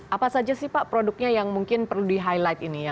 apa saja sih pak produknya yang mungkin perlu di highlight ini ya